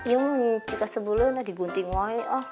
iyo mah pika sebelumnya digunting woy